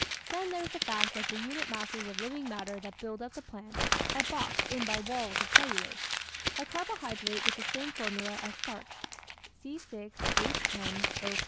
Then there is the fact that the unit masses of living matter that build up the plant are boxed in by walls of cellulose a carbohydrate with the same formula as starch (Ce Hio Os).